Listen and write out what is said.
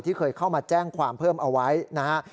เคยเข้ามาแจ้งความเพิ่มเอาไว้นะฮะ